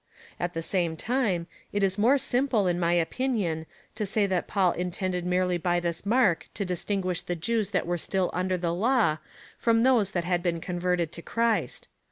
At the same time, it is more simple, in my opinion, to say that Paul intended merely by this mark to distinguish the Jews that were still under the law from those that had been converted to Christ.